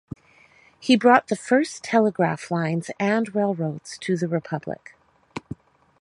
He brought the first telegraph lines and railroads to the republic.